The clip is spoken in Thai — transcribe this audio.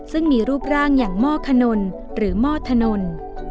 ซึ่งมีรูปร่างอย่างหม้อขนนหรือหม้อถนน